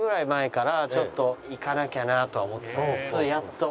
やっと。